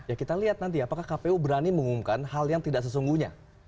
ya kita lihat nanti apakah kpu berani mengumumkan hal yang tidak sesungguhnya